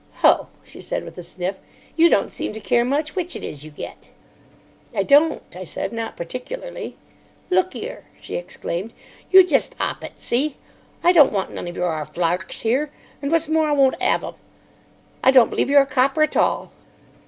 "Ho!" she said, with a sniff; "you don't seem to care much which it is you get." "I don't," I said, "not particularly." "Look 'ere," she exclaimed, "you jest 'op it. See? I don't want none of your 'arf larks here, and, what's more, I won't 'ave 'em. I don't believe you're a copper at all."